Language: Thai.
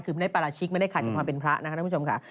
คือไม่ได้ปราชิกไม่ได้ขาดจากความเป็นพระนะครับท่านผู้ชมค่ะ